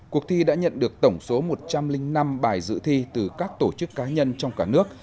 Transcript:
cuộc thi đã nhận được tổng số một trăm linh năm bài dự thi từ các tổ chức cá nhân trong cả nước